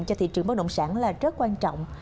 cho thị trường bất động sản là rất quan trọng